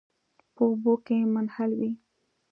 په اوبو کې منحل وي.